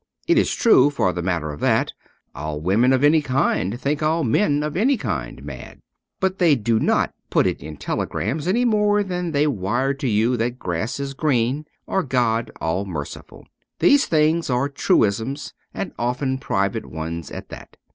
It is true, for the matter of that, all women of any kind think all men of any kind mad. But they do not put it in telegrams any more than they wire to you that grass is green or God all merciful. These things are truisms and often private ones at that.